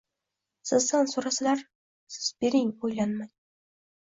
Sizdan so’rasalar, siz bering, o’ylanmang.!..